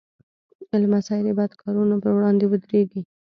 لمسی د بد کارونو پر وړاندې ودریږي.